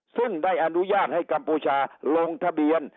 ซึ่งได้อนุญาตให้กัมพูชาลงทะเบียน